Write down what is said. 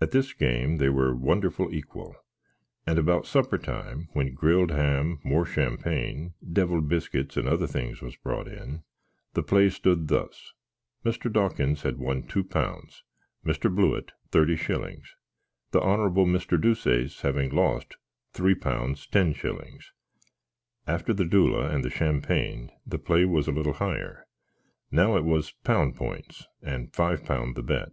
At this game they were wonderful equill; and about suppertime (when grilled am, more shampang, devld biskits, and other things, was brot in) the play stood thus: Mr. Dawkins had won 2 pounds; Mr. Blewitt, 30 shillings; the Honrabble Mr. Deuceace having lost £3.10s. After the dewle and the shampang the play was a little higher. Now it was pound pints, and five pound the bet.